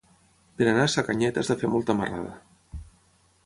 Per anar a Sacanyet has de fer molta marrada.